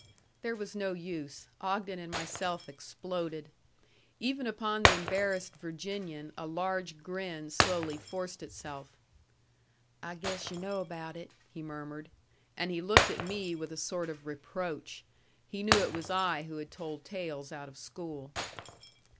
There was no use; Ogden and myself exploded. Even upon the embarrassed Virginian a large grin slowly forced itself. "I guess yu' know about it," he murmured. And he looked at me with a sort of reproach. He knew it was I who had told tales out of school.